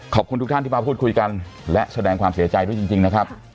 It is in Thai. ขอบคุณทุกท่านที่มาพูดคุยกันและแสดงความเสียใจด้วยจริงนะครับ